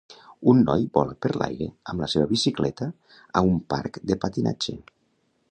Un noi vola per l'aire amb la seva bicicleta a un parc de patinatge.